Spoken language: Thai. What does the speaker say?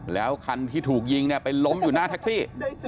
แล้วคันที่ถูกยิงเนี่ยไปล้มอยู่หน้าแท็กซี่